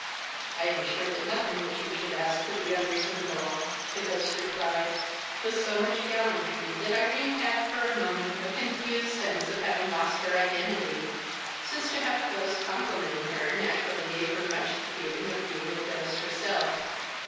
"I am sure that nothing which you should ask could be unreasonable," the ghost replied, with so much gallantry that Irene had for a moment a confused sense of having lost her identity, since to have a ghost complimenting her naturally gave her much the feeling of being a ghost herself.